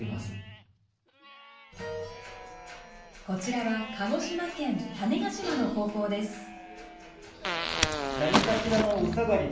こちらは鹿児島県種子島の高校です。